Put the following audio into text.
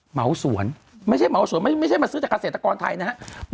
เหมาสวนไม่ใช่เหมาสวนไม่ใช่มาซื้อจากเกษตรกรไทยนะครับ